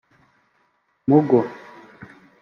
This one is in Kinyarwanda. mugo